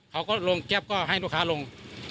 เขาก็ลงแก๊ปก็ให้ลูกค้าลง